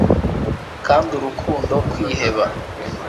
Kandi urukundo kwiheba